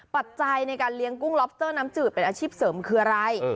ปัจจัยในการเลี้ยงกุ้งล็อบสเตอร์น้ำจืดเป็นอาชีพเสริมคืออะไร